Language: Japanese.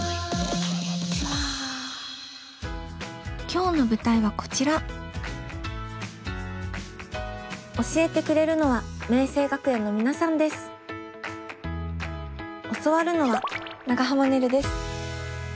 今日の舞台はこちら教えてくれるのは教わるのは長濱ねるです。